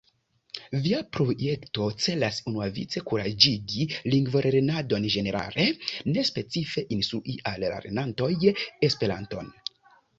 Via projekto celas unuavice kuraĝigi lingvolernadon ĝenerale, ne specife instrui al la lernantoj Esperanton.